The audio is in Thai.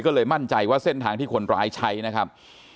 ก็เลยมั่นใจว่าเส้นทางที่คนร้ายใช้นะครับ